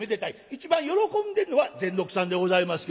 一番喜んでんのは善六さんでございますけど。